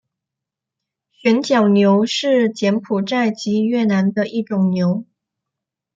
旋角牛是柬埔寨及越南的一种牛。